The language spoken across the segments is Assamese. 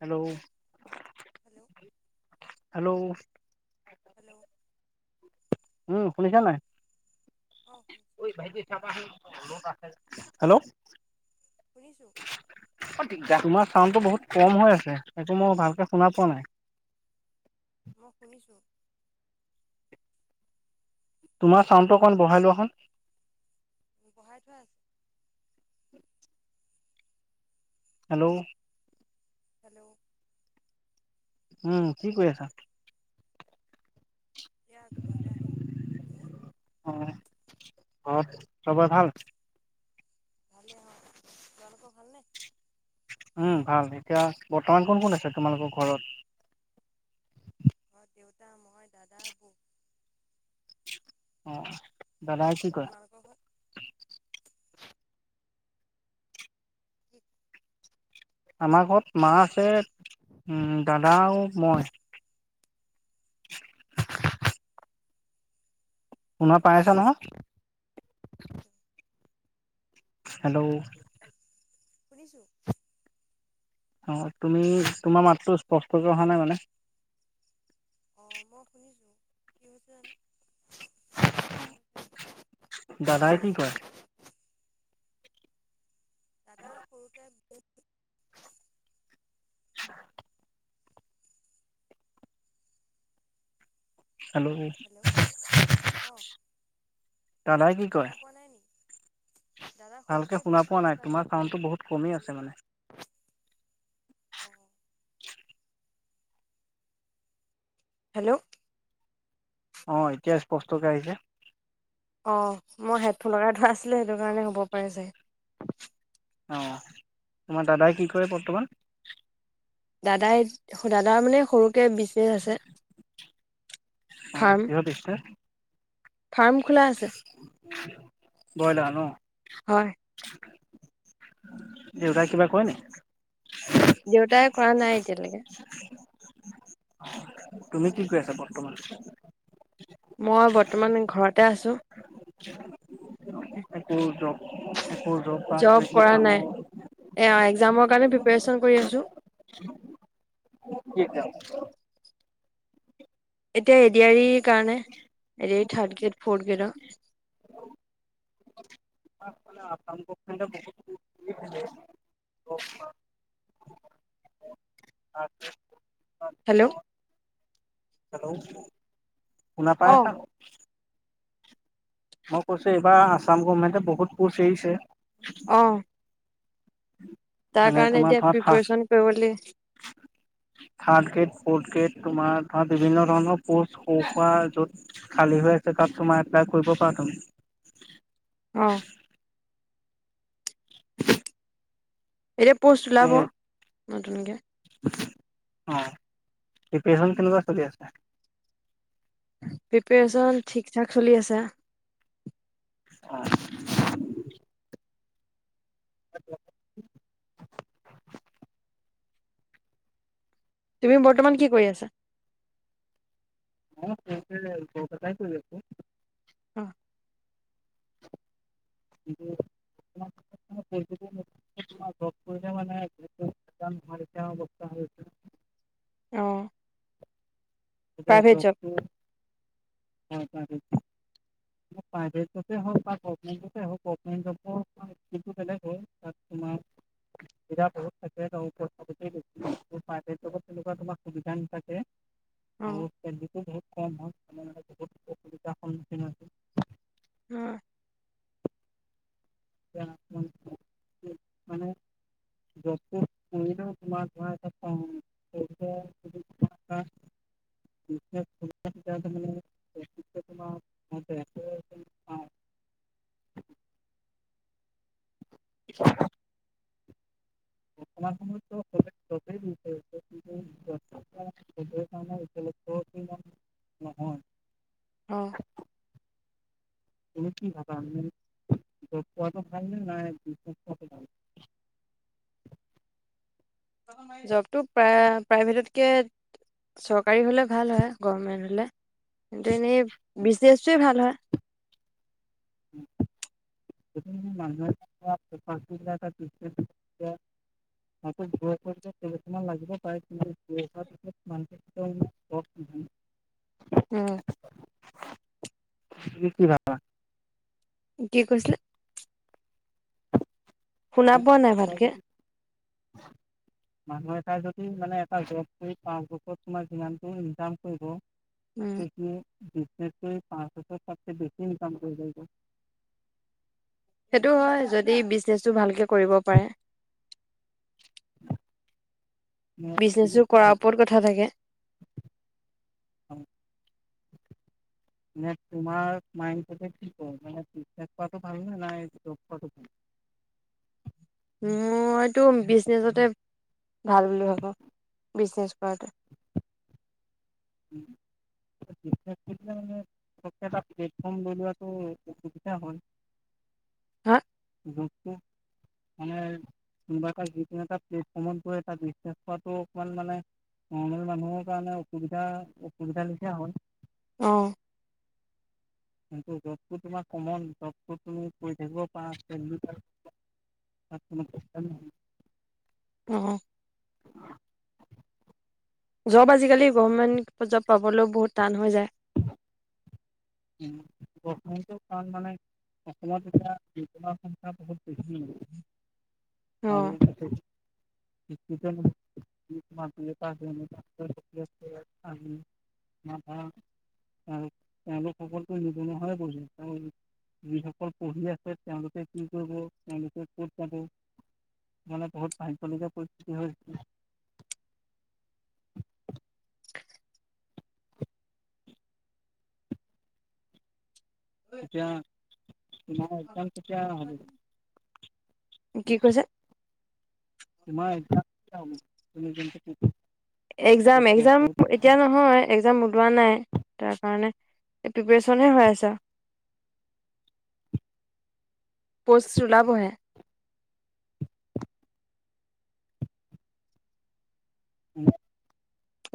হেল্ল' [unintelligible] হেল্ল' হেল্ল' উম শুনিছা নাই? অঁ [unintelligible] শুনিছোঁ হেল্ল' শুনিছোঁ তোমাৰ চাউণ্ডটো বহুত কম হৈ আছে। সেইটো মই ভালকে শুনা পোৱা নাই। মই শুনিছোঁ। তোমাৰ চাউণ্ডটো অকমান বঢ়াই লোৱাচোন। বঢ়াই থোৱা আছে। Hello hello. উম কি কৰি আছা? অ ঘৰত [unintelligible] চবৰে ভাল? [unintelligible] উম, ভাল এতিয়া বৰ্তমান কোন -কোন আছে তোমালোকৰ ঘৰত? ঘৰত দেউতা, মই, দাদা, বৌ। অহ, দাদাই কি কৰে? তোমালোকৰ ঘৰত কি আমাৰ ঘৰত মা আছে উম দাদা আৰু মই। শুনা পাই আছ নহয়? হেল্ল', শুনিছো। অহ, তুমি তোমাৰ মাতটো স্পষ্টকে অহা নাই মানে অহ, মই শুনিছোঁ কি হৈছে [unintelligible] দাদাই কি কৰে? দাদা সৰুকে [unintelligible] [inaudible] হেল্ল', অঁ দাদাই কি শুনা কৰে? পোৱা নাই নি দাদা ভালকে সৰুকে শুনা পোৱা বিজনেছ নাই এটা আছে তোমাৰ চাউণ্ডটো বহুত কমি আছে মানে। [inaudible] অঁ হেল্ল', অহ, এতিয়া স্পষ্টকে আহিছে। অহ, মই হেডফোন লগাই থোৱা আছিলে সেইটো কাৰণে হ'ব পাৰে যে অহ, তোমাৰ দাদাই কি কৰে বৰ্তমান? দাদাই, দাদাৰ মানে সৰুকে বিজনেচ আছে। অ ফাৰ্ম কিহৰ বিজনেছ -ফাৰ্ম খোলা আছে। [inaudible] বইলা ন'? হয়। দেউতাই কিবা কৰে নি? দেউতাই কৰা নাই এতিয়ালৈকে। তুমি কি কৰি আছা বৰ্তমান? মই বৰ্তমান ঘৰতে আছো। একো জব একো বা কিবা জব কিবি কৰা কামৰ নাই এয়া একজামক আমি প্ৰিপেৰেচন কৰি আছো। কি একজাম? এতিয়া এ দি আ ৰি কাৰণে এৰি third grade, fourth গ্ৰেডৰ [inaudible] [unintelligible] hello, hello, শুনা পাই অ আছা? মই কৈছো এইবাৰ আছাম গভমেণ্টে বহুত কোচ এৰিছে। অহ তাৰ যেনে কাৰণে তোমাৰ এতিয়া ধৰা ফাৰ্ষ্ট প্ৰিপাৰচন কৰিবলে থাৰ্ড গ্ৰেড, ফৰ্থ গ্ৰেড তোমাৰ ধৰা বিভিন্ন ধৰণৰ পষ্ট সৰু সুৰা য'ত খালী হৈ আছে তাত তোমাৰ এপ্লাই কৰিব পাৰা তুমি। অহ [inaudible] এতিয়া পোষ্ট ওলাব নতুনকে। অহ, প্ৰিপেৰচন কেনেকুৱা চলি আছে? প্ৰিপেৰেচন ঠিক -ঠাক চলি আছে। অহ [unintelligible] তুমি বৰ্তমান কি কৰি আছা? মই সৰুকে জ্বব এটাই কৰি আছোঁ। অহ উম [unintelligible] মলে মানে [unintelligible] বোকা হৈছে অহ জ্ববটো [unintelligible] প্ৰাইভেটতে হওঁক বা গমেণ্টতে হওঁক [unintelligible] কিন্তু বেলেগ হয় তোমাৰ সুবিধাটো বহু থাকেতো কথাতো সেইতো প্ৰাইভেট জ্ববত তেনেকুৱা তোমাৰ সুবিধা নাথাকে অ আৰু চেলেৰিতো বহুত কম হয় বহুত অসুবিধাৰ সন্মুখিন হৈছে উম অসুবিধা সন্মুখীন হৈছে মানে যতে পঢ়িলেও তোমাৰ ধৰা মানে [unintelligible] এই এইখিনিতে তোমাৰ। অ। [unintelligible] বৰ্তমান সমতো সব চবেই বিষু। ি [unintelligible] হ তুমি কি ভাবা। জব [unintelligible] ভাল জবটো প্ৰায় প্ৰাইভেটতকে। চৰকাৰী হ'লে ভাল হয় গভমেণ্ট হ'লে কিন্তু এনেই বিজনেটোৱে ভাল হয় উম [unintelligible] মান [unintelligible] আকৌ [unintelligible] কেইছমান বছৰ মান লাগিব পাই [unintelligible] উম তুমি কি ভাবা। কি কৈছিলে? শুনা মানে পোৱা নাই ভালকে। যদি তাই যদি মানে এটা জৰ্ব কৰি পাচ বছৰত তোমাৰ যিমানটো ইনকাম কৰিব উম, তাতকৈ সি‌। পাঁচ বছৰত তাতকৈ বেছি ইনকম কৰিব পাৰিব [unintelligible] সেইটো হয় যদি বিজনেচটো ভালকে কৰিব পাৰে। নে তুমি বিজনেছো কি কৰাৰ ভাবা? ওপৰত কথা থাকে। মান তোমাৰ মাইণ্ড চেদ কি মান বিজনেছ ভাল নে নাই জৰ্ব। [unintelligible] মইতো বিজনেছতে ভাল বুলি ভাবো বিজনেছ কৰাতো মানে। পকে এটা প্লেটফৰ্ম লৈ লোৱাতটো অসুবিধা হয়। হা বহুতো মানে। কোনোবা এটা যিকোনো এটা প্টফৰ্মত গৈ এটা বিজনেছ কৰাৱাটো অকমান মানে নৰ্মেল মানুহৰ কাৰণে অসুবিধা অসুবিধা লিখিয়া হল। অহ। কিন্তু জৰ্ব তোমাৰ কমন জৰ্ব তুমি কৰি থাকিব পাৰা। আোন চষ্ট ন [unintelligible] অহ জৰ্ব আজিকালি গভমেন্ট জৰ্ব পাবলৈও বহুত টান হৈ যায় উ বৰ্তমান কাৰণ মানে অসমত এতিয়া। অ'। [unintelligible] [unintelligible] তেওঁ তেওঁলোক সকলটো নিবনুৱা হৈ পৰিছে তেওঁ যিসকল পঢ়ি আছে তেওঁলোকে কি কৰিব তেওঁলোকে ক'ত যাব মানে বহুত ভাবিবলগীয়া পৰিস্থিতি [unintelligible] [unintelligible] [unintelligible] [unintelligible] এতিয়া তোমাৰ একদাম কেতিয়া হ কি কৈছে? তোমাৰ একজাম কেতিয়া হব তুমি যোনটো প্ৰিপাৰেচন একজাম একজাম এতিয়া নহয় একজাম ওলোৱা নাই তাৰ কাৰণে প্ৰিপাৰচনে হৈ আছে। পষ্ট ওলাবহে উম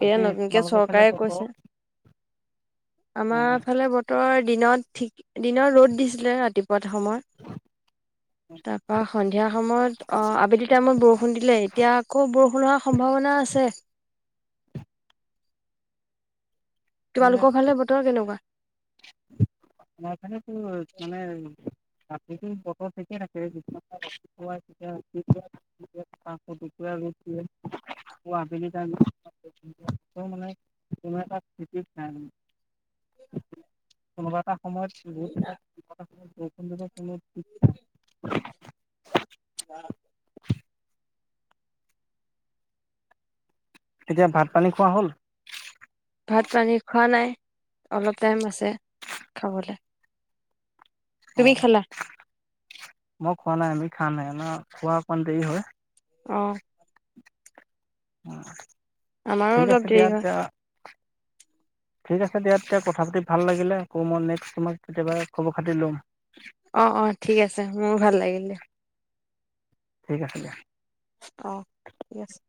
এয়া নতুনকে চৰকাৰে কৈছে আমাৰ মানে ফালে বতৰৰ দিনত ঠিক দিনৰ ৰ'দ দিছিলে ৰাতিপুৱা সময় তাৰপা সন্ধিয়া সময়ত অ আবেলি টাইমত বৰষুণ দিলে এতিয়া আকৌ বৰষুণ ষুন হোৱাৰ সম্ভাৱনা আছে। তোমালোকৰ ফালে বতৰ কেনেকুৱা? আমাৰ ফালে তো মানে ৰাতিটো বতৰ থিকে থাকে [unintelligible] গছিলে [inaudible] আবেলি মানে ক [inaudible] এটাতি নাই [unintelligible] সম [unintelligible] ব [unintelligible] [inaudible] তেতিয়া ভাত পানী খোৱা হ'ল? ভাত -পানী খোৱা নাই, অলপ টাইম আছে খাবলে। অ, তুমি খালা মই খোৱা নাই আমি খাম নাই ন খোৱা অকমান দেৰি হয়। অহ। আমাৰো ঠিক অলপ আছে দিয়া দেৰি হয় এতিয়া। ঠিক আছে দিয়া তেতিয়া কথা পাতি ভাল লাগিলে আকৌ মই নেক্সমত কেতিয়াবা খবৰ খাতি ল'ম। অ অ ঠিক আছে মোৰো [unintelligible] ঠিক আছে দিয়া। অ ঠিক আছে।